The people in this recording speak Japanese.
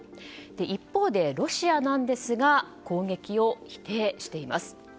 一方で、ロシアなんですが攻撃を否定しています。